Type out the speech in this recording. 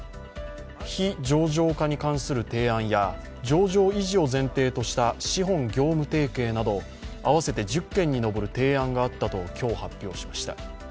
非上場化に関する提案や上場維持を前提とした資本業務提携など、合わせて１０件に上る提案があったと今日、発表しました。